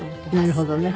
なるほどね。